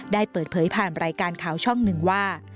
ได้เปิดเผยผ่านรายการข่าวช่องหนึ่งว่า